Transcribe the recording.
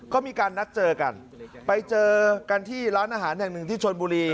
ก็มีการนัดเจอกันไปเจอกันที่ร้านอาหารแห่งหนึ่งที่ชนบุรี